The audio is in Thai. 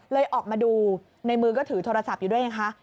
เลยออกมาดูในมือก็ถือโทรศัพท์อยู่ด้วยเนี่ยค่ะ